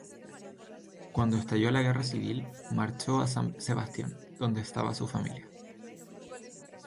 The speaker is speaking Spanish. Cuando estalló la Guerra Civil, marchó a San Sebastián, donde estaba su familia.